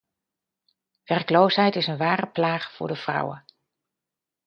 Werkloosheid is een ware plaag voor de vrouwen.